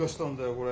これ。